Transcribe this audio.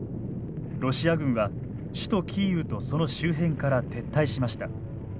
ロシア軍は首都キーウとその周辺から撤退しました。